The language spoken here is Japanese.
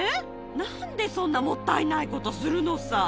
なんでそんなもったいないことするのさ。